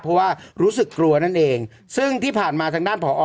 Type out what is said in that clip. เพราะว่ารู้สึกกลัวนั่นเองซึ่งที่ผ่านมาทางด้านผอ